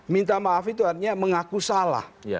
minta maaf itu artinya mengaku salah